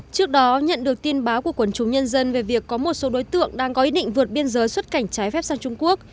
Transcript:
trước đó nhận được tin báo của quần chúng nhân dân về việc có một số đối tượng đang có ý định vượt biên giới xuất cảnh trái phép sang trung quốc